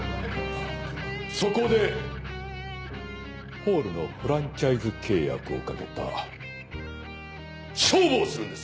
・そこでホールのフランチャイズ契約を懸けた勝負をするんです！